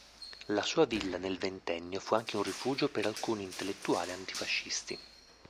La sua villa nel Ventennio fu anche un rifugio per alcuni intellettuali antifascisti.